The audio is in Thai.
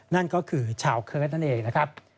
นั่นก็คือชาวเคิร์ตนั่นเองนะครับ